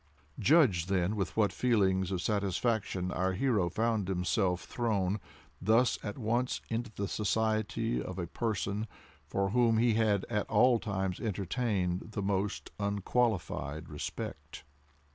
Judge, then, with what feelings of satisfaction our hero found himself thrown thus at once into the society of a person for whom he had at all times entertained the most unqualified respect.